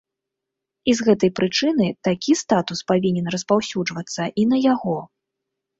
І з гэтай прычыны такі статус павінен распаўсюджвацца і на яго.